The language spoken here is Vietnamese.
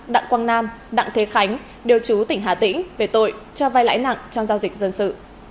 đặng quang nam đặng thế khánh đều chú tỉnh hà tĩnh về tội cho vai lãi nặng trong giao dịch dân sự